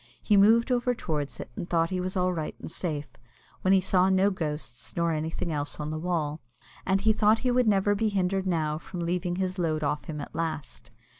He moved over towards it, and thought he was all right and safe, when he saw no ghosts nor anything else on the wall, and he thought he would never be hindered now from leaving his load off him at last.